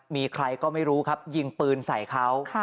มีใครก็ไม่รู้ครับยิงปืนใส่เขา